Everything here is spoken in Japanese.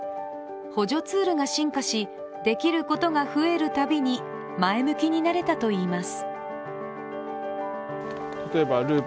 補助ツールが進化し、できることが増えるたびに前向きになれたといいます。